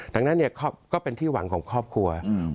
ดังนั้นเนี่ยก็เป็นที่หวังของครอบครัว